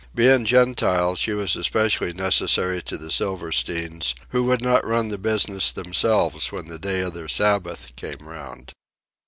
Being Gentile, she was especially necessary to the Silversteins, who would not run the business themselves when the day of their Sabbath came round.